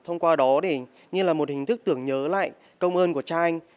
thông qua đó để như là một hình thức tưởng nhớ lại công ơn của cha anh